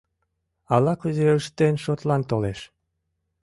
Ала-кузе ыштен шотлан толеш.